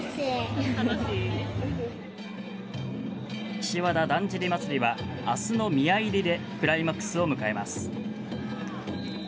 岸和田だんじり祭は明日の宮入りでクライマックスを迎えます。